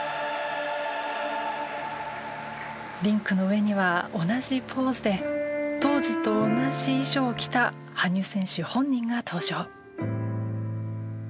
リンクの上には同じポーズで当時と同じ衣装を着た羽生選手本人が登場。